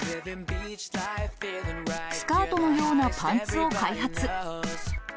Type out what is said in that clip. スカートのようなパンツを開発。